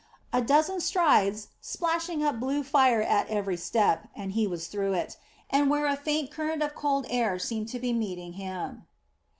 A dozen strides, splashing up blue fire at every step, and he was through it, and where a faint current of cold air seemed to be meeting him.